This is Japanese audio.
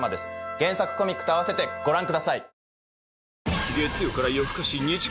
原作コミックと併せてご覧ください。